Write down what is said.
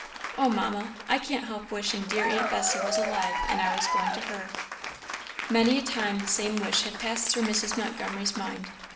"Oh, Mamma, I can't help wishing dear aunt Bessy was alive, and I was going to her." Many a time the same wish had passed through Mrs. Montgomery's mind.